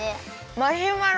マシュマロ！